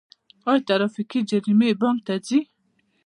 آیا ټرافیکي جریمې بانک ته ځي؟